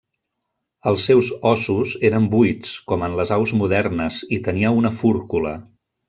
Els seus ossos eren buits, com en les aus modernes, i tenia una fúrcula.